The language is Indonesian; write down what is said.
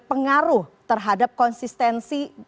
pengaruh terhadap konsistensi